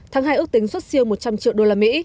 tháng hai ước tính xuất siêu một trăm linh triệu usd